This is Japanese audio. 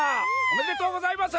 おめでとうございます！